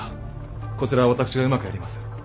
こちらは私がうまくやります。